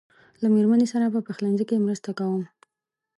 له مېرمنې سره په پخلنځي کې مرسته کوم.